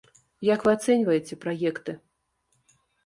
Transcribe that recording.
Як вы ацэньваеце праекты?